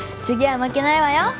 次は負けないわよ